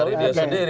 dari dia sendiri